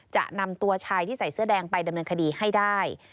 จะนำตัวชายที่ใส่เสื้อแดงไปดำเนินคดีให้ได้